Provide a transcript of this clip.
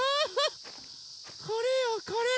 これよこれ！